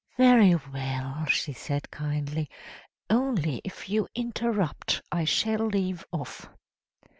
"Very well," she said kindly; "only if you interrupt I shall leave off."